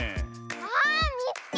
ああっみつけた！